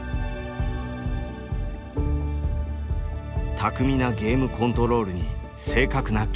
巧みなゲームコントロールに正確なキック。